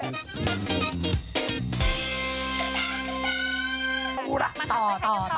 มาต่อ